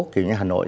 kiểu như hà nội